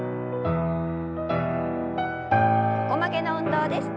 横曲げの運動です。